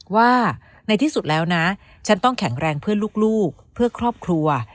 ว่าในที่สุดแล้วนะฉันต้องแข็งแรงเพื่อลูกเพื่อครอบครัว